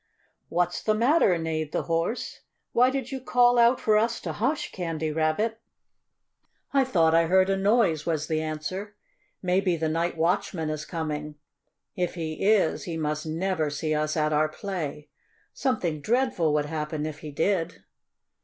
"What's the matter?" neighed the Horse. "Why did you call out for us to hush, Candy Rabbit?" "I thought I heard a noise," was the answer. "Maybe the night watchman is coming. If he is, he must never see us at our play. Something dreadful would happen, if he did."